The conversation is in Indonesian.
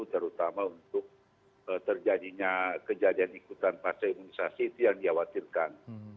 terutama untuk terjadinya kejadian ikutan pasca imunisasi itu yang dikhawatirkan